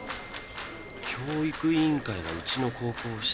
教育委員会がウチの高校を視察？